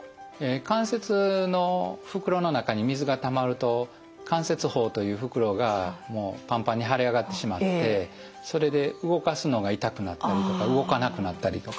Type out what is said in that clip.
関節の袋の中に水がたまると関節包という袋がもうパンパンに腫れ上がってしまってそれで動かすのが痛くなったりとか動かなくなったりとかですね